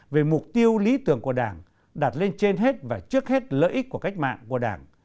về mục tiêu lý tưởng của đảng đặt lên trên hết và trước hết lợi ích của cách mạng của đảng